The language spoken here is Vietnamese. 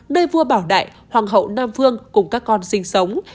nơi vua bảo đại hoàng hậu nam vương cùng các con sinh sống